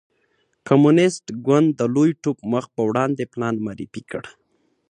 کمونېست ګوند د لوی ټوپ مخ په وړاندې پلان معرفي کړ.